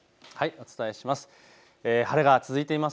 お伝えします。